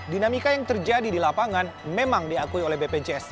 dinamika yang terjadi di lapangan memang diakui oleh bpjs